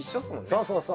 そうそうそう。